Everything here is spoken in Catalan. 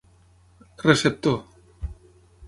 Receptor: